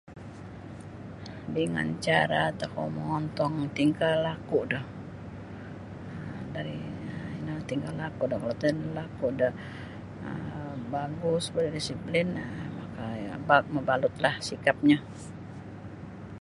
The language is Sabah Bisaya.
Dingan cara tokou mongontong tingkah laku' do dari ino tingkah laku' do kalau tingkah laku' um bagus berdisiplin um mabalutlah sikapnyo.